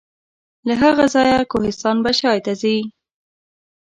له هغه ځایه کوهستان بشای ته ځي.